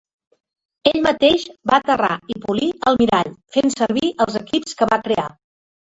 Ell mateix va aterrar i polir el mirall, fent servir els equips que va crear.